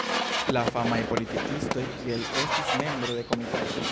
La famaj politikistoj kiel estis membro de komitato.